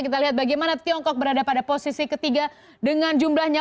kita lihat bagaimana tiongkok berada pada posisi ketiga dengan jumlahnya